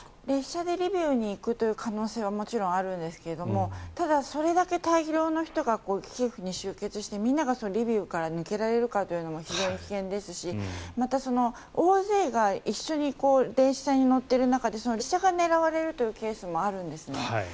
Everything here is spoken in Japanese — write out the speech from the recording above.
列車でリビウに行くという可能性はもちろんあるんですがただ、それだけ大量の人がキエフに集結してみんながリビウから抜けられるのかが非常に危険ですしまた、大勢が一緒に列車に乗っている中でその列車が狙われるというケースもあるんですね。